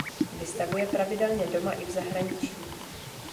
Vystavuje pravidelně doma i v zahraničí.